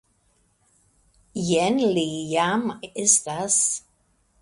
Jen li jam estas.